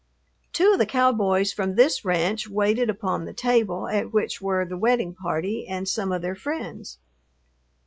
Two of the cowboys from this ranch waited upon the table at which were the wedding party and some of their friends.